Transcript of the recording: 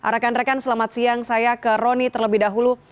rekan rekan selamat siang saya ke roni terlebih dahulu